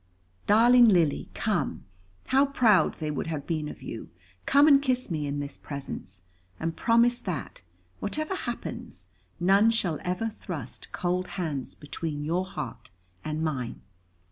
"Darling Lily, come how proud they would have been of you come and kiss me in this presence, and promise that, whatever happens, none shall ever thrust cold hands between your heart and mine.